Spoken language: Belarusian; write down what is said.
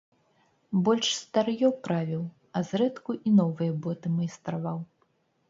Больш стар'ё правіў, а зрэдку і новыя боты майстраваў.